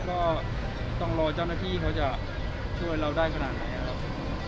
ก็ต้องรอเจ้าหน้าที่เขาจะช่วยเราได้ขนาดไหนครับ